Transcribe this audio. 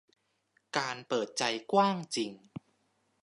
การเปิดใจกว้างจริง